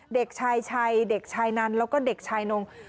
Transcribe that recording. เด็กชายชัยเด็กชายนันแล้วก็เด็กชายนง